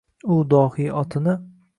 U dohiy otini